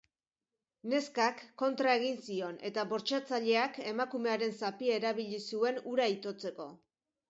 Neskak kontra egin zion eta bortxatzaileak emakumearen zapia erabili zuen hura itotzeko.